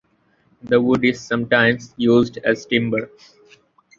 The wood is sometimes used as timber.